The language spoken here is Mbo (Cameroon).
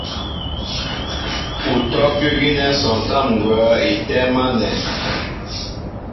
Utɔ́' kʉ́ gínɛ́ sɔntám ŋgwα̌ í tɛ́ɛ́m ánɛ̄.